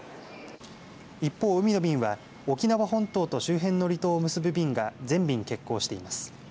一方海の便は沖縄本島と周辺の離島を結ぶ便が全便欠航しています。